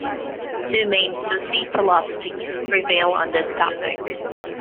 Two main Sufi philosophies prevail on this topic.